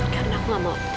karena aku gak mau